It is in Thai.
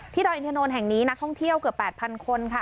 ดอยอินทนนท์แห่งนี้นักท่องเที่ยวเกือบ๘๐๐คนค่ะ